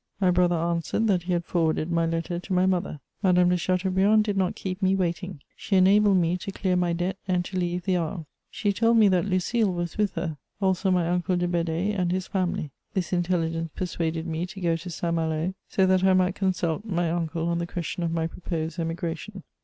My brother answered that he had forwarded my letter to my mother. Madame de Chateaubriand did not keep me waiting: she enabled me to clear my debt and to leave the Havre. She told me that Lucile was with her, also my uncle de Bedée and his family. This intelligence persuaded me to go to Saint Malo, so that I might consult my uncle on the question of my proposed emigration.